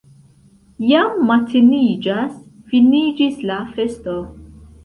Jam mateniĝas, finiĝis la festo!